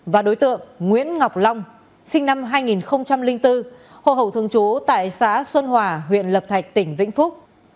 và đối tượng nguyễn ngọc long sinh năm hai nghìn bốn hồ hậu thường chú tại xã xuân hòa huyện lập thạch tỉnh vĩnh phúc